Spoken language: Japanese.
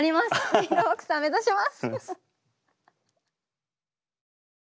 ビートボクサー目指します。